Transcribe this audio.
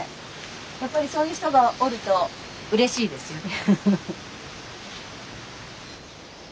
やっぱりそういう人がおるとうれしいですよね。